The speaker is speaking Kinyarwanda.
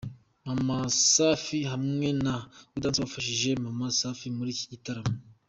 Mama Safi hamwe na Gaudence wafashije Maman Safi muri iki gitaramo.